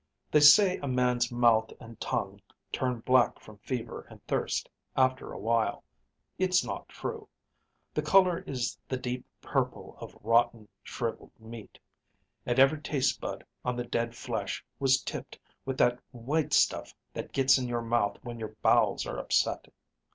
They say a man's mouth and tongue turn black from fever and thirst after a while. It's not true. The color is the deep purple of rotten, shriveled meat. And every taste bud on the dead flesh was tipped with that white stuff that gets in your mouth when your bowels are upset.